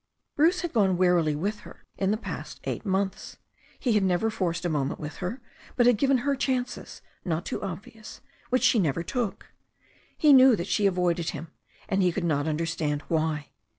Bruce had gone warily with her in the past eight months. He had never forced a moment with her, but he had given her chances, not too obvious, which she never took. He knew that she avoided him, and he could not understand why.